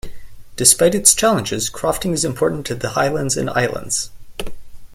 Despite its challenges, crofting is important to the Highlands and Islands.